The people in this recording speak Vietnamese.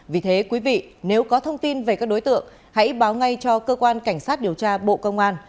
vì thế quý vị nếu có thông tin về các đối tượng hãy báo ngay cho cơ quan cảnh sát điều tra bộ công an